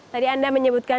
tadi anda menyebutkan